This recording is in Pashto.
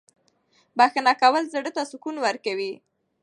بښنه کول زړه ته سکون ورکوي.